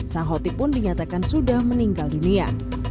sang hoti pun dinyatakan sudah meninggal dunia